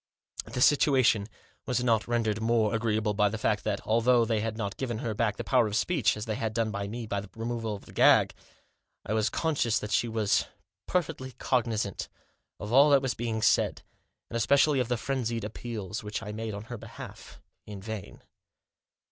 The situation was not rendered more agreeable by the fact that, although they had not given her back the power of speech, as they had done me, by the removal of the gag, I was conscious that she was perfectly cognisant of all that was being said, and especially of the frenzied appeals which I made on her behalf— in vain.